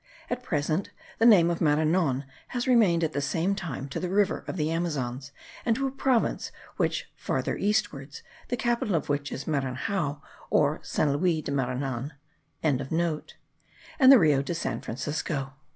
At present the name of Maranon has remained at the same time to the river of the Amazons, and to a province much farther eastward, the capital of which is Maranhao, or St. Louis de Maranon.) and the Rio de San Francisco.